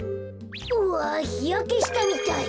うわひやけしたみたい。